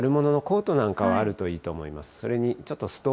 春物のコートなんかはあるといいと思います。